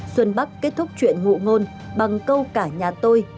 xuân bắc kết thúc chuyện ngụ ngôn bằng câu cả nhà tôi